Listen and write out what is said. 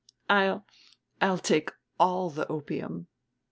I'll I'll take all the opium."